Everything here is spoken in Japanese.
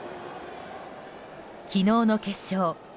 昨日の決勝。